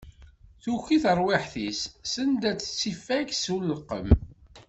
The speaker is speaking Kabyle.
Tuki terwiḥt-is send ad tt-ifak s uleqqem.